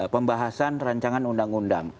pembahasan rancangan undang undang